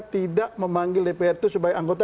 tidak memanggil dpr itu sebagai anggota